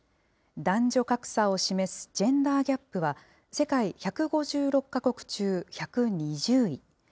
男女格差を示すジェンダーギャップは世界１５６か国中１２０位。